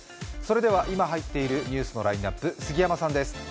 今入っているニュースのラインナップ、杉山さんです。